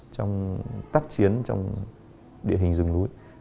trong tác chiến trong địa hình rừng núi